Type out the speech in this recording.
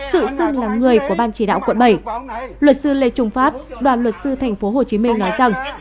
tự xưng là người của ban chỉ đạo quận bảy luật sư lê trung phát đoàn luật sư tp hcm nói rằng